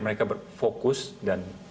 mereka berfokus dan